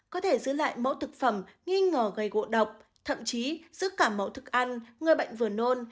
có thể giữ lại mẫu thực phẩm nghi ngờ gây gỗ độc thậm chí giữ cả mẫu thức ăn người bệnh vừa nôn